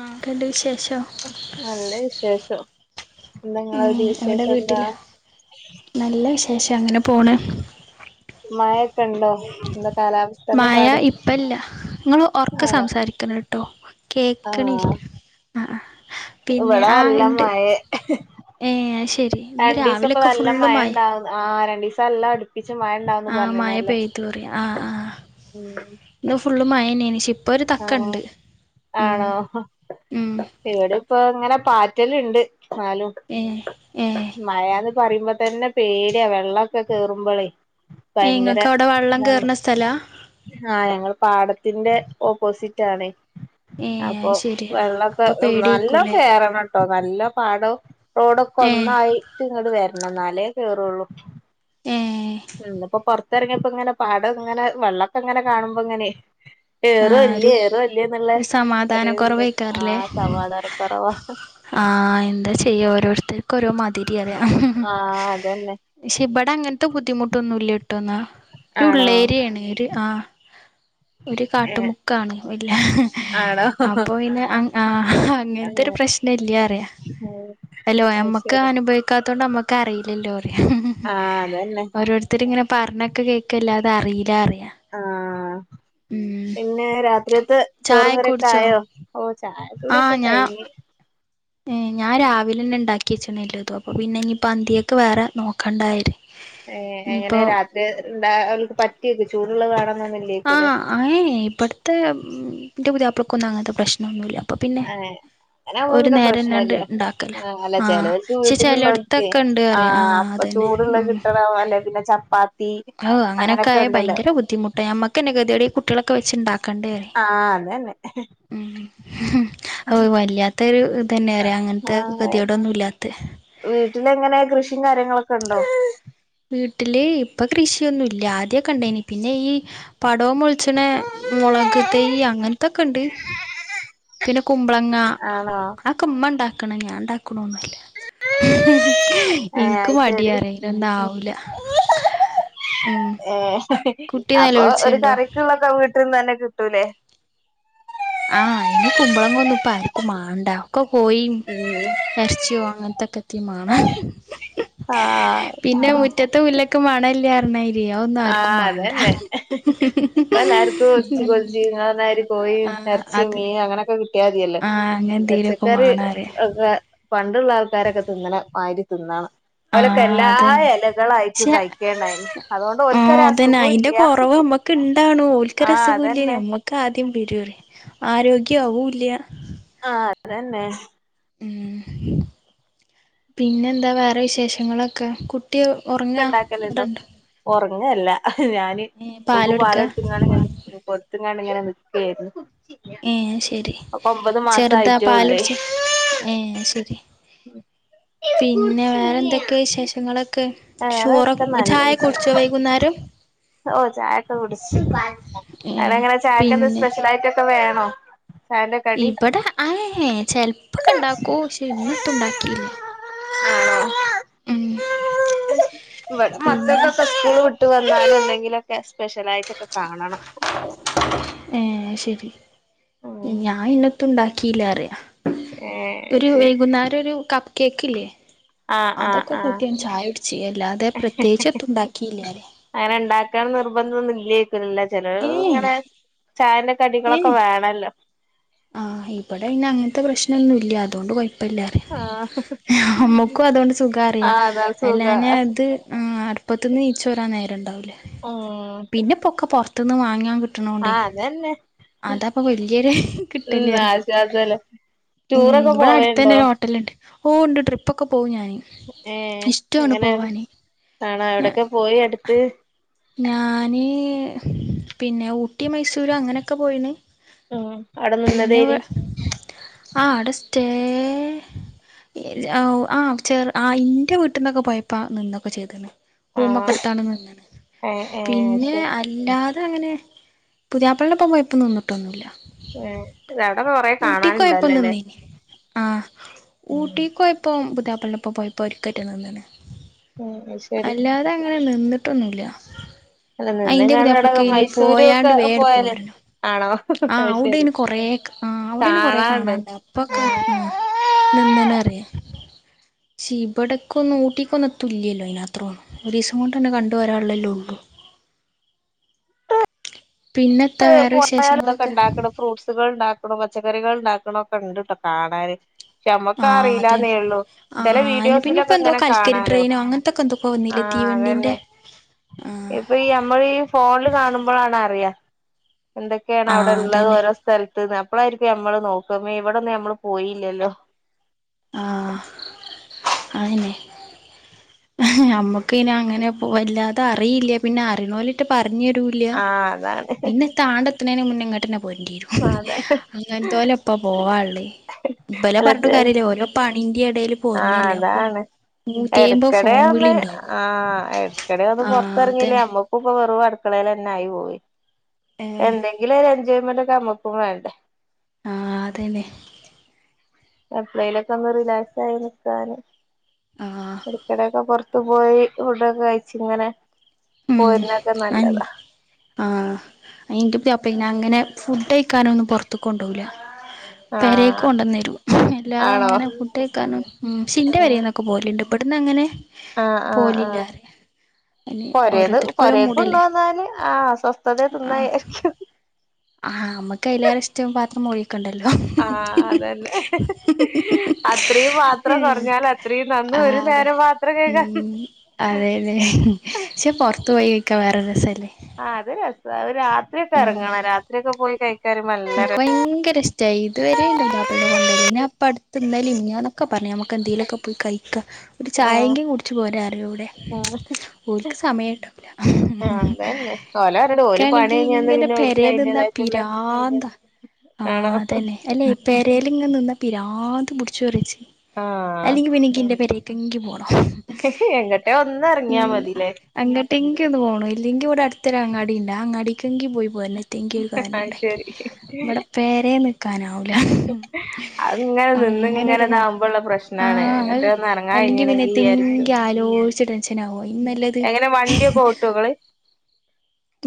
ആഹ് കണ്ട് വിശേഷം. നല്ല വിശേഷം എന്താ നിങ്ങളെ ഉം അവിടെ ഇവിടെ വിശേഷം എന്താ വീട്ടിലാ നല്ല വിശേഷം അങ്ങനെ പോണ് മഴൊക്കെ ഉണ്ടോ എന്തൊക്ക മാഴ ഇപ്പല്ല നിങ്ങൾ ഒർക്ക ആണോ സംസാരിക്കണം കേട്ടോ? കേക്ക്ണ് ആഹ് ഇല്ല ആഹ് പിന്നെ ഇവിടെ ആഹ് നല്ല ഉണ്ട്. [inaudible] ഏ അത് ശരി ഇന്ന് രണ്ട് ദിവസം ഇപ്പം രാവിലെയൊക്കെ നല്ലാ ഫുള്ള് മഴ ഉണ്ടാവും ആഹ് രണ്ടു ദിവസം എല്ലാം അടുപ്പിച്ച് മഴണ്ടാവന്ന് ആഹ് പറഞ്ഞിരുന്നു മഴ പെയ്തു തുടങ്ങി ആഹ് ആഹ് ഉം ഇന്ന് ഫുള് മാഴന്നെന്നു ശരി ആഹ് ആണോ ഉം ഇവിടെ ഇപ്പൊ ഇങ്ങനെ പാറ്റല് ഉണ്ട് എന്നാലും. ഏ ഏ മഴന്ന് പറയുമ്പോതന്നെ പേടിയാ വെള്ളമൊക്കെ കേറുമ്പോഴൊ ഏ നിങ്ങക്ക് അവിടെ വെള്ളം കേയറുന്ന സ്ഥലാ. ആഹ് ഞങ്ങൾ പാടത്തിന്റെ ഓപ്പോസിറ്റ് ആണ്. ഏഹ് അപ്പൊ അത് ശരിയാ വെള്ളൊക്കെ അപ്പൊ പേടിയേക്കൂലേ നല്ലകേറണം. നല്ല പാടം റോഡൊക്കെ ഏഹ് ഒന്നായിട്ട് ഇങ്ങട് വരണം എന്നാലേ കേറുള്ളൂ. ഏഹ് ഉം ഇപ്പൊ പുറത്തിറങ്ങിയപ്പോ ഇങ്ങനെ പാടം ഇങ്ങനെ വെള്ളൊക്കെ ഇങ്ങനെ കാണുമ്പോ ഇങ്ങനെ. കെറോ ആഹ് ഒരു ഇല്യ കേറോ ഇല്യ എന്നുള്ള ഒരു സമാധാന ഒരു ഇത് കുറവേക്കാറില്ലേ ആഹ് സമാധാനക്കുറവാ. ആഹ് എന്താ ചെയ്യാ ഓരോരുത്തർക്ക് ഓരോ മാതിരി അല്ലേ. ആഹ് അതന്നെ പക്ഷെ ഇവിടെ അങ്ങനത്തെ ബുദ്ധിമുട്ടൊന്നുമില്ലട്ടോന്നാ ഒരു ആണോ ഉള്ളേരിയാണ് ആഹ്. ഒരു [unintelligible] ഏഹ് കാട്ടുമുക്കാണ് ഇല്ല ആണോ അപ്പൊ പിന്നെ അങ്ങനത്തെരു പ്രശ്ന ഇല്ല അറിയ ഉം ഹലോ നമ്മക്ക് അനുഭവിക്കാത്തോണ്ട് നമ്മക്ക് അറിയില്ലലോറിയ ആഹ് അതന്നെ ഓരോരുത്ത ഒത്തിരി ഇങ്ങനെ പറഞ്ഞൊക്കെ കേൾക്കല്ലാതെ അറിയില്ല അറിയാ ആഹ് ഉം പിന്നെ രാത്രിയത്തെ ചോറും ചായൊക്കെ കറിയൊക്കെ കുടിച്ചോ ആയോ ഓ ചായ കുടിക്കെ ആഹ് ഞാൻ കഴിഞ്ഞ്. ഞാൻ രാവിലെന്നെ ഉണ്ടാക്കിച്ചണ് എല്ലോതും അപ്പൊ പിന്നെ ഇനിയിപ്പോ അന്തിയൊക്കെ വറെ നോക്കണ്ടായിരുന്നു ഏ എങ്ങനെ രാത്രി [unintelligible] ചൂടുള്ള വേണം എന്നൊന്നും ഇല്ലേ ആഹ് എയ് ഇബടത്തെ ഇന്റെ പുതിയപ്പൾക്കൊന്നും അങ്ങനത്തെ പ്രശ്നമൊന്നുമില്ല. അഹ് അങ്ങനെ അവുമ്പോ പിന്നെ പ്രശ്നല്ല ഇണ്ടാക്കല അല്ല ആഹ് ചെലോൽക്ക് പക്ഷെ വീട്ടിലുള്ളവക്ക് ചെലോട്ത്തൊക്കെ ഇണ്ട് പറയാ ആഹ് അപ്പ ചൂ അതന്നെ ചൂട് ഉള്ളത് കിട്ടണം അല്ലെ കി പിന്നെ ചപ്പാത്തി. ആഹ് അനൊക്കെ അങ്ങനൊക്കെ ആയ ഉണ്ടല്ലോ ഭയങ്കര ബുദ്ധിമുട്ടാണ്. ഞമ്മക്ക് തന്നെ കെതിയാട് ഈ കുട്ടികളൊക്കെ വെച്ചുണ്ടാക്കേണ്ടേ പറേ ആ [inaudible] ഉം ഓ വല്ലാത്ത ഒരു ഇതന്നെ അറിയ അങ്ങനത്തെ ഗതിയോട് ഒന്നും ഇല്ലാത്ത വീട്ടില് എങ്ങനെ കൃഷിയും കാര്യങ്ങളൊക്കെ ഉണ്ടോ? വീട്ടില് ഇപ്പൊ കൃഷിയൊന്നു ഇല്ല ആദ്യക്കെ ഉണ്ടേനി പിന്നെ ഈ പടോം മുളിച്ചനെ മുളക് തയ്യ് അങ്ങനത്തൊക്കെ ഉണ്ട്. പിന്നെ കുമ്പളങ്ങ ആണോ അക്കൊഇമ്മ ഉണ്ടാക്കണം ഞാൻ ഉണ്ടാക്കണൊന്നുല്ല ഏ എനക്ക് അത് ശരി മടിയാണ് ഇതൊന്നു ആവൂല. ഉം ഏ കുട്ടി അപ്പൊ ഒരു നെലോളിച്ച്ണ്ടോ കറിക്കുള്ളൊക്കെ വീട്ടിന്ന് തന്നെ കിട്ടൂലേ? ആഹ് ഇനി കുമ്പളന്നും ഇപ്പ ആർക്കും മാണ്ട ഒക്കെ പോയി. ആഹ് എറച്ചിയോ അങ്ങനത്തെക്കെത്തിെം മേണം. പിന്നെ മുറ്റത്ത മുല്ലക്കും മാണല്ലന്നറിഞ്ഞായിരി ആഹ് അതന്നെ ഇപ്പല്ലാർക്കും [unintelligible] കോയിം ആഹ് ഇറച്ചിം അതെ മീനും ങ്ങനെയൊക്കെ കിട്ടിയാതിയല്ലോ ആഹ് അങ്ങനെന്തേലൊക്കെ പച്ചക്കറി മാണാറിയ ഒക്ക പണ്ടുള്ള ആൾക്കാരൊക്കെ തിന്നണ മായിരിയൊക്കെ വാരി തിന്നാണം ഓലക്ക ആഹ് എല്ലാ അതന്നെ എലകളായിട്ടും കഴിക്കേണ്ടായി ആഹ അതന്നെ അയിന്റെ കൊറവമ്മക്ക് ഇണ്ടാണും ഓൽക്ക ആഹ് രസകൂല്യനി അതന്നെ മ്മക്ക് ആദ്യം [unintelligible] ആരോഗ്യ ആവൂല്ല ആഹ അതന്നെ ഉം പിന്നെ എന്താ വേറെ വിശേഷങ്ങളൊക്കെ? കുട്ടി ഒക്കെ ഒറങ്ങാ ഇണ്ടാക്കലുണ്ടോ വിടെണ്ടോ ഒറങ്ങല്ല ഞാന് ഓക്ക് പാലൊടുക്ക പാല് കൊടുത്തുകാണ്ട് ങ്ങനെ കൊടുത്തുങ്ങാണ്ടിങ്ങനെ നിക്കയായിരുന്നു ഏ ശരി മാസം ചെർതാ ആയിട്ടേ ഉള്ളേ പാലുടിച്ച ഏ ശരി പിന്നെ വേറെന്തക്കെ വിശേഷങ്ങള്? ക്കെ ചോർ വേറെക്കെ നല്ല ചായ ക്കെ വിശേഷം കുടിച്ചാ വൈകുന്നേരം? ഓ ചായൊക്കെ കുടിച്ച്. ഏഹ് അവടെങ്ങനെ ചായക്ക് എന്ത പിന്നെ സ്പെഷ്യലായിട്ടൊക്കെ വേണോ? ചായന്റെ കടി ഇബടെ ആഹ ചെലപ്പൊക്കെണ്ടാക്കു പക്ഷെ ഇന്നത്തുണ്ടാക്കില്ല. ആണോ ഇവിടെ പിന്നെ മക്കക്കൊക്കെ സ്കൂ ൾട്ട് വന്നങ്കിലൊക്കെ സ്പെഷ്യലായിട്ടൊക്കെ കാണണം ഏ ശരി ഉം ഞാൻ ഇന്നത്തും ഉണ്ടാക്കില്ലറിയ ഏ ഒരു ശരി വൈകുന്നേരരു കപ്പ് കേക്കില്ലേ? ആഹ് ആഹ് അതൊക്കെ ആഹ് കൂട്ടി ചായുടിച്ചി അല്ലാതെ പ്രത്യേകിച്ച് എത്തുണ്ടാക്കിയില്ലറിയാ. അങ്ങനെ ണ്ടാക്കാണം നിർബന്ധം ഒന്നല്ലേക്കുലേ ഏഹ് ചെലലൊക്കെങ്ങനെ ചായന്റെ കടികളൊക്കെ ഏഹ് വേണല്ലോ. ആഹ് ഇവിടെ അങ്ങൻത്തെ പ്രശ്നൊന്നുല്ല അതോണ്ട് കൊയപ്പില്ലറിയ. ആഹ് അമ്മക്കും അതോണ്ട് സുഖറിയാ ആഹ് അതാ സുഖ അല്ലഞ അത് [unintelligible] പ്പത്തീന് നീചോരാൻ നേരണ്ടാവൂല ഉം പിന്നെ പൊക്കെ പുറത്തുനിന്ന് വാങ്ങാൻ കിട്ട്ണോണ്ടേ ആഹ് അതന്നെ അതാപ്പൊ വല്യൊരു ഉം കിട്ടല്റിയ ആശ്വാസല്ലേ ഉം ടൂറൊക്കെ ഇവിടെ അടുത്ത തന്നെ പോവേണ്ടോ ഒരു ഹോട്ടൽ ഹോട്ടലുണ്ട് ഓ ഉണ്ട് ട്രിപ്പൊക്കെ പോകവും ഞാൻ ഏ ഇഷ്ടമാണ് എങ്ങനെ പോവാന് കാണാ ഞ എവിടെക്കെ പോയി അടുത്ത് ഞാന് പിന്നെ ഊട്ടി മൈസൂര് അങ്ങനെക്കെ പോയിണ്. ഉം അവിടെ പിന്നെ നിന്നതേനി ആഹ അവിടെ സ്റ്റേ ആഹ ചെറ ആഹ ഇന്റെ വീട്ടിന്നൊക്കെ പോയപ്പ നിന്നൊക്കെ ചെയ്ത്ണ് റൂ ആഹ് മക്കെടത്താണ് നിന്നത് ഏഹ് ഏഹ് പിന്നെ ശരി ല്ലാതെ ങ്ങനെ പുതിയാപ്പള്ളന്റെപ്പം പോയപ്പം നിന്നിട്ടൊന്നുല്ല. അവിട കൊറേ കാണാനുണ്ടല്ലോല്ലേ ആഹ ഉം ഊട്ടി ക്കോയപ്പം പുത്യപ്പളന്റൊപ്പം പോയപ്പോ ഒരിക്കറ്റെ നിന്ന്ണ് ഉം അത് ശരി അല്ലാതെങ്ങനെ നിന്നിട്ടൊന്നുല്ല. അല്ല അയിന്റെ നിന്നങ്ങാണ്ട് അവിടെ പറുതപ്പാള്ളക്ക് അയ്ൻ മൈസൂരു ഒക്കെ പോയാണ്ട് വേട് പോയാല് പോരണം. ആണോ ആഹ അത് ശരി അഉടെഅയ്ന് കൊറേ ആഹ അവിടന് കൊറേ കാണാനുണ്ട് കാണാണ്ട് അപ്പൊക്കെ ആഹ നിന്നണറിയ ശി ബടക്കൊന്നും ഊട്ടിക്കൊന്നും എത്തൂല്ലല്ലോ അയിനത്രം. ഒരുസം കൊണ്ടെന്നെ കണ്ടോരാള്ളല്ലോള്ളു പിന്നെത്താ [unintelligible] വേറെ പോയാൽ തൊക്കെ വിശേഷങ്ങളൊക്കെ ഉണ്ടാക്കണം ഫ്രൂട്ട്സുകൾ ഉണ്ടാക്കണം. പച്ചക്കറികൾ ഉണ്ടാക്കണം. ഒക്കെണ്ട് ട്ടോ കാണാന്. ശേ മ്മക്ക് ആ അറിയില്ലാന്നേ അതന്നെ ള്ളൂ. ആ ചില അന്നെ പിന്നെ ഇപ്പ എന്തോ വീഡിയോസിലൊക്കെങ്ങനെ കൽക്കരി കാണാലോ. [unintelligible] [unintelligible] വന്നില്ലേ ആഹ് തീവണ്ടീന്റെ അതന്നെ ഇപ്പൊ ഈ നമ്മൾ ഈ ഫോണില് കാണുമ്പോഴാണ് അറിയാ. എന്തൊക്കെയാണ് ആ അവിടെള്ളത് അതന്നെ ഓരോ സ്ഥലത്ത്ന്ന് അപ്പളായിരിക്കും നമ്മള് നോക്കുന്നെ ഇവിടൊന്നും നമ്മൾ പോയില്ലല്ലോ. ആ അങ്ങനെ നമ്മുക്ക് പിന്നെ അങ്ങനെ പോവില്ലത്ത അറിയില്ല പിന്നെ അറിയുന്നോരൊട്ട് പറഞ്ഞേരുക ഇല്ല്യ ആഹ് അതാണ് പിന്നെ താടെത്തണ മുന്ന് ഇങ്ങോട്ട്ന്നെ പോരേങ്ങി വരും ആഹ് അതന്നെ അങ്ങനത്തോലെ ഇപ്പ പോവള്ളി ഇബരെ അല്ല പറഞ്ഞിട്ട് കാര്യല്ലേ ഓരൊ പണീൻ്റെടയിലു പോരണില്ലേ അപ്പൊ? നൂറ്റി അയ്മ്പ ഫോ വേറൊന്ന് ആഹ് എടക്കെടെ ഒന്ന് ആഹ് പുറത്തിറങ്ങില്ലേ അതന്നെ നമ്മ ഇപ്പപ്പം വെറും അടുക്കളയിൽ തന്നെ ആയി പോയി ആഹ് എന്തെങ്കിലും ഒരു എൻജോയ്മെന്റ് ഒക്കെ നമ്മുക്കും വേണ്ടേ? ആ അതലെ എപ്പഴേലൊക്കെ ഒന്ന് റിലാക്സ് ആയി നിക്കാന് ആഹ് ഇടകിടെ ഓക്കെ പൊ ർത്തു പോയി ഫുഡൊക്കെ കഴിച്ച് ഇങ്ങനെ. ഉം പോരുന്നൊക്കെ അനു നല്ലതാ ആ എന്റെ പുതിയപ്ലെ പിന്നെ അങ്ങനെ ഫുഡ് കഴിക്കാനൊന്നും പുറത്ത് കൊണ്ടോവില്ല. പെരേക്ക് ആഹ് കൊണ്ടന്നു തരും അല്ലാതെ ആണോ അങ്ങനെ ഫുഡ് കഴിക്കാനൊ ഉം പക്ഷെ ഷിൻന്റെ പേരെ ആഹ് ഒക്കെ പോലുണ്ട് ഇവിടുന്നങ്ങനെ ആഹ് ആഹ് ആഹ് പോലില്ലാരായ അങ്ങനെ പൊരേന്ന് ഓരോരുത്തർക്ക് ഓരോ പൊരേല് കൊണ്ട് മൂടല്ലേ വന്നാല് ആഹ് സ്വസ്ഥതെ തിന്നാന്ന് ആഹ് വിചാരിക്കും. ആഹ് നമ്മക്കയിലെറെ ഇഷ്ടം പാത്രം ഒഴി ക്കണ്ടല്ലോ. ആ അതന്നെ അത്രയും പാത്രം കുറഞ്ഞാൽ അത് ആ അതെ ഉം അതെ അതെ പക്ഷെ പൊറത്ത് പോയി കാ ഴിക്ക വേറൊരു രസല്ലേ ആ അത് രസാ അത് രാത്രിഓക്കെ ഉം എറങ്ങണം രാത്രിയൊക്കെ പോയി കഴിക്കാനും നല്ല എനിക്ക് ര ഭയങ്കര ഇഷ് ടാ ഇതുവരെ എന്റെ പുതിയാപ്ല എന്നെ കൊണ്ടയില്ല ഇനി ആപ്പ അടുത്ത് ഇന്നലെയും മിനിഞ്ഞാന്നൊക്കെ പറഞ് ഞമ്മക്ക് എന്തേലൊക്കെ പോയി കഴിക്കാ. ഒരു രസാ ഉം ചായെങ്കി കുടിച്ച് പോരാ പറഞ്ഞൂടെ ഉം ഓലിക്ക് സമയം കിട്ടുല്ല ഓല പറഞ്ഞിട്ട് ഓല് പണി കഴിഞ്ഞന്ന് ഇങ്ങനെ പിന്നെ ഓൽക്ക് പെരെ നിന്നാ അതിന്റേതായിട്ടുള്ള പിരാന്താ ആ ആണോ അതന്നെ അല്ലേ പെരെലിങ്ങനെ നിന്നാ പിരാന്ത പിടിച്ചു പറിച്ച് ആഹ് അല്ലെങ്കി പിന്നെനിക്ക് എന്റെ പെരയിലേക്കെങ്കിലും പോണം എങ്ങട്ടെ ഒന്ന് ഇറങ്ങിയാ മതില്ലേ ഉം ആങ്ങോട്ടെങ്കിലു ഒന്ന് പോണം ഇല്ലെങ്കി ഇവിടടുത്തൊരു അങ്ങാടി ഉണ്ട് ആ അങ്ങാടിക്കെങ്കിലും പോയി പോരണം. ഏതെങ്കിലു കാരണം അത് ഉണ്ടെങ്കി ശരി ഇവിടെ പേരെ നിക്കാനാവൂല്ല അത്ങ്ങനെ നിന്ന് ഇങ്ങനെ അങ്ങനെഒരുമു ഇതാവുമ്പോള്ള പ്രശ്നാണ് ആഹ് എങ്ങട്ടെ അല് ഒന്ന് ഇറങ്ങാൻ അല്ലെങ്കി പിന്നെ കഴിഞ്ഞണെങ്കി വിചാരിക്കും എന്തെങ്കി ആലോ ച്ച് ടെൻഷൻ ആവും അയില് നല്ലത് എങ്ങനെ വണ്ടിയൊക്കെ ഓട്ടോ ഇങ്ങള്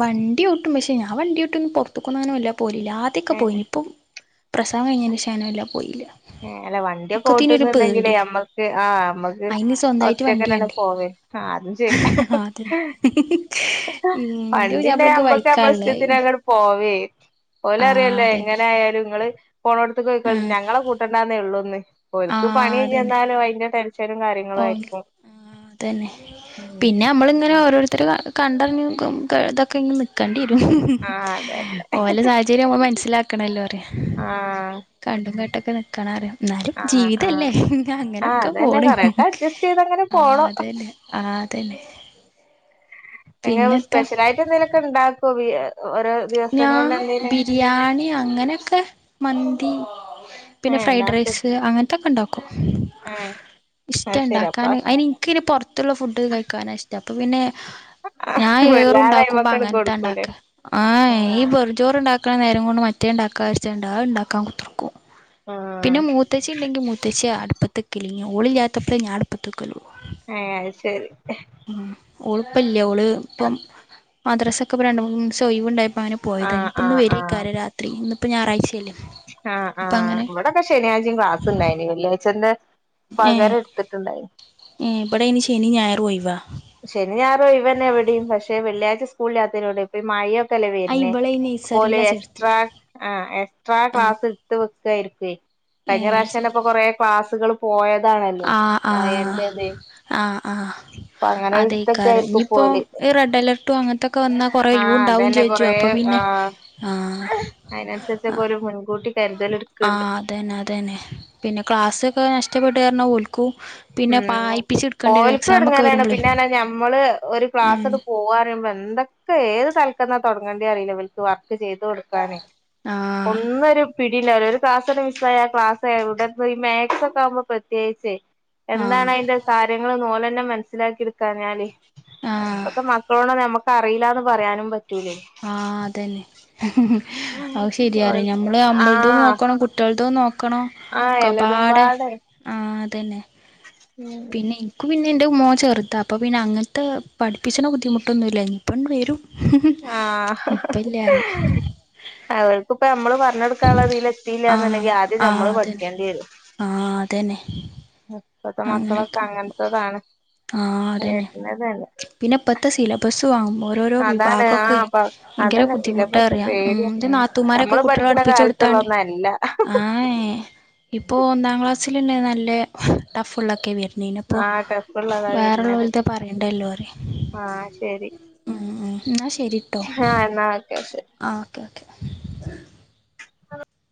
വണ്ടിഒട്ടും പക്ഷെ ഞാൻ വണ്ടി ഓട്ടും പുറത്തക്കൊന്നു അങ്ങനെ ഇല്ല പോലില്ലാദ്യഒക്കെ പോയി ഏഹ് ഇപ്പൊ. പ്രസവം കഴിഞ്ഞെനെഷം അങ്ങനെവെല്ലോ പോയില്ല. ഏഹ് അല്ല വണ്ടിഒക്കെ ഒക്കത്തിനൊരു ഓട്ടുന്നുണ്ടെങ്കിലെ പേടിയാ ഞമ്മക്ക് ആ നമ്മക്ക് അയിന് സ്വന്തായിട്ട് വണ്ടി ഒറ്റക്കങ്ങനെലും വാണ്ടേ പോവേ ആ അതും ശരി അതന്നെ ഇന്റെ പണ് പിന്നെ പുതിയാപ്ലക്ക് നമ്മക്ക് ബൈക്കാ നമ്മുടെ ഇള്ളെ അയിന് ഇഷ്ടത്തിനെന്നെ. ണ്ട് പോവെ ഓല് ആഹ് അറിയല്ലേ അതന്നെ എങ്ങനയാലും നിങ്ങള് പോണടുത്ത് പോയിക്കോളി ആഹ് ഞങ്ങളെ കു ട്ടെഒള്ളുന്നെ ഓലിക്ക് പണി കഴിഞ്ഞു വന്നാലും അയിൻ്റെ ടെൻഷനും കാര്യങ്ങ ഓ തന്നെ പിന്നെ നമ്മൾ ഇങ്ങനെ ഓരോരുത്തര് കണ്ടറിഞ് നിക്കും ഇതൊ ഇതൊക്കെ ഇങ്ങനെ നിക്കേണ്ടി വരും ആഹ് അതന്നെ ഓലെ സാഹചര്യം നമ്മൾ മനസ്സിലാ ക്കണല്ലോ പറയാ ആഹ് കണ്ടും കേട്ടൊക്കെ നിക്കാനാറിയാം എന്നാലും ആഹ് ജീവിതല്ലേ അങ്ങനൊക്കെ പോണ് ഒക്കെ അഡ്ജസ്റ്റു ചെയ്തങ്ങനെ പോണു ആല്ലേ ആതന്നെ എങ്ങനവ് സ്പെഷ്യലായിട്ടെന്തേലൊക്കെ ഉണ്ടാക്കുമി ഒരൊ ഞാ ബിരിയാണി അങ്ങനൊക്കെ മന്തി പിന്നെ ഏഹ് ഇണ്ടാക്കും ഫ്രഡ്റൈസ് അങ്ങനത്തൊക്കെ ഉണ്ടാ ഏഹ് ഇഷ്ട്ടാ അത് ശരി അപ്പൊ ഉണ്ടാക്കാന് അയിനെനിക്കിങ്ങനെ പൊറത്തുള്ള ഫുഡ്ഡു കഴിക്കാനാ ഇഷ് അപ്പൊ പിന്നെ ഞാൻ വല്ലാതെ ഏറുണ്ടാക്കുമ്പോ അയ്മക്കട് അങ്ങനത്തയാ കൊടുക്കൂലേ ഉണ്ടാക്കുക ആഹ് പൊതിച്ചോറുണ്ടാക്ക്ണെ നേരം കൊണ്ട് മറ്റേ ഉണ്ടാക്കാച്ചാണ്ട് അണ്ടക്കാൻക്കുതിർക്കും പിന്നെ ആഹ് മൂത്തേച് ച്ചി ഉണ്ടെങ്കി മുത്തശ്ശിയാ അടുപ്പത്തൊക്കില്ലെങ്കി ഓളില്ലാത്തപ്പഴേ ഞാൻ അടുപ്പത്തു വെക്കൊള്ളു ഏഹ് അയ് ശരി ഉം ഓൾപ്പോല്യ ഒള് ഇപ്പം മദ്രസൊക്കിപ്പം രണ്ടു മൂന്നിവസം ഒയിവുണ്ടായപ്പം അങ്ങനെ പോയത ആഹ് ഇപ്പ ഇന്നു ആഹ് ആഹ് വരീകാര രാത്രി ഇന്ന്പ്പൊ ഞായറാചയല്ലേ ആഹ് ആഹ് ഇവിടൊക്കെ ശനിയാഴ്ച്ചെമ്മ് ക്ലാസുണ്ടായിന് വെള്ളിയാഴ്ചന്റെ ഏഹ് പകരം എടുത്തിട്ടുണ്ടായി ഏഹ് ഇബിടെ ഇനി ശനീം ഞായറൊഴിവാ ശനി ഞായറൊഴിവന്നെ ഇവിടിം പക്ഷെ വെള്ളിയാഴ്ച സ്കൂളില്ലാത്തതിനോട് ഇപ്പം ഈ മയയൊക്കെ അല്ലേ ആഹ് വരുന്നേ ഇവളെ ഈ അപോലെ നഴ്സറിയിലാ ചേർത്തിയെ എക്സ്ട്രാ ആഹ് എക്സ്ട്രാ ആഹ് ക്ലാസ്സിട്ടു വെക്കായിരിക്കു കഴിഞ്ഞ ഏഹ് പ്രാവശ്യം ശരി എന്നപ്പൊ കൊറേ ക്ലാസ്സുകള് പോയതാണല്ലോ ആഹ് ആഹ് മയന്റെതെ ആഹ് ആഹ് അതെ എടുത്തൊക്കെ കരം ആയിരിക്കും ഞ്ഞിപ്പം പോല് ഈ റെഡ് അലർട്ടും അങ്ങനത്തൊക്കെ വന്നാ കൊറെേ യൂ ആഹ് ഉണ്ടാവും അതന്നെ ചോജും കൊറേ അപ്പൊ പിന്നെ ആഹ് അതിനനുസരിച്ചൊക്കൊരൂ മുൻകൂട്ടി കരുതല് ആഹ് അതന്നെ അതന്നെ പിന്നെ ക്ലാസ്സൊക്കെ നഷ്ടപ്പെട്ട കാരണം ഓൽ ഉം ഓൽക്കും എക്സാം ഒക്കെ എടങ്ങേറാണ് വരുമ്പളേ പിന്നാനെ ഞമ്മളെ ഒരു ഉം ക്ലാസ്സ് ട് പോവാറിംബൊ എന്തൊക്കെ ക്കെ ഏത് തൽക്കെന്നാ തൊടങ്ങേണ്ടി അറിയില്ല ഇബല്ക്ക് വർക്ക് ചെയ്ത് കൊടുക്കാനെ ആഹ് ഒന്നൊരു പിടിണ്ടവുല്ല ഒരു ക്ലാസ്സ്ങ്ങ്ട്ട് മിസ്സായാ ആ ക്ലാസ്സെവിടെപ്പോയ് മാക്സ് ഒക്കെ ആവുമ്പൊ പ്രത്യേകിച്ച് ആഹ് എന്താണതിന്റെ കാര്യങ്ങള്ന്ന് ഒലന്നേ മനസ്സിലാക്കി എടുക്കാഞ്ഞാലേ ആഹ് ഇപ്പത്തെ മക്കളോട് നമ്മക്ക് പറയില്ലാന്ന് പറയാനും പറ്റു ആഹ് അതന്നെ അതു ശരിയാറെ ഓൽ ഞമ്മള് ഞമ്മളതും ആഹ് നോക്കണം കുട്ട്യാള്ളതും നോ ക്കണ്ണം ആഹ് എല്ലതും കപാടെ പാടെ ആഹ് അതന്നെ പിന്നെ ക്ക് പിന്നെന്റെ മോൻ ചെറുതാ അപ്പ പിന്നെ അങ്ങനത്തെ പഠിപ്പിച്ചണ ബുദ്ധിമുട്ടൊന്നുമില്ല ഇപ്പൺ വരും ആഹ് ഇപ്പം ഇല്ല പറയാം അവർക്കിപ്പ അമ്മള് പറ പറഞ്ഞ്ട്ക്കാളേതില്ത്തീല്ല് ആ ന്നുണ്ടെങ്കി ആദ്യം ആ ഞമ്മള് അതന്നെ പഠിക്കേണ്ടി വരും ആ അതന്നെ ഇപ്പത്തെ മക്കളൊക്കെ അങ്ങനെയൊക്കെ അങ്ങനെത്തേതാണ് വെര്ത് തന്നെ പിന്നെപ്പത്ത് ഇത്തെ സിലബസു വാങ്ങും ഓരോരോ അതാണ് വിഭാഗൊക്കേ ആഹ് പ ഭയങ്കര അതന്നെ സിലബസ് ബുദ്ധിമുട്ടാറിയാം ഉം പേടിയ ന്റെന്നാ തുമാരൊക്കെ നമ്മള് കുട്ടികളെ പഠിക്കുന്ന അടുപ്പിച്ചു കൊടുത്താണ്ട് കാലത്തുള്ളൊന്നല്ല ആഹ് ഏഹ് ഇപ്പോ ഒന്നാം ക്ലാസ്സിലെന്നെ നല്ലേ ടഫുള്ളൊക്കെ വര് നീനിപ്പോ ആഹ് ടഫ്ള്ളതാ വരുന്നത് വേറൊള്ളോലത്തെ പറയേണ്ടല്ലോ അറ ആഹ് ശരി ഉം ഉം എന്നാ ശരീട്ടോ ആഹ് എന്നാ ഓക്കെ ശരി ആഹ് ഓക്കെ ഓക്കെ [unintelligible]